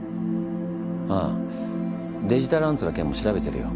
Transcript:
ああデジタルアンツの件も調べてるよ。